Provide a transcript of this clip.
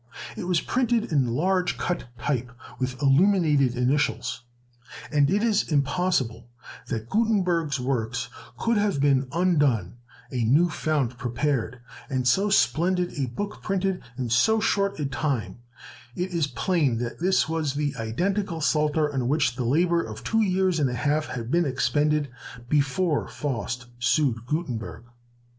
It was printed in large cut type, with illuminated initials; and as it is impossible that Gutenberg's works could have been undone, a new fount prepared, and so splendid a book printed, in so short a time, it is plain that this was the identical Psalter on which the labor of two years and a half had been expended, before Faust sued Gutenberg.